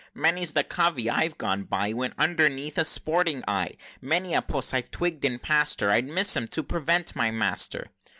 Many's the covey I've gone by, When underneath a sporting eye; Many a puss I've twigg'd, and pass'd her I miss 'em to prevent my master!"